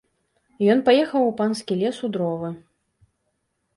Ён паехаў у панскі лес у дровы.